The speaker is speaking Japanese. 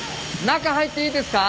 中入っていいですか？